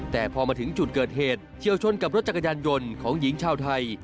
แต่พอมาถึงจุดเกิดเหตุเฉียวชนกับรถจักรยานยนต์ของหญิงชาวไทย